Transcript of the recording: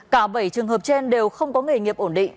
cả bảy trường hợp trên đều không có nghề nghiệp ổn định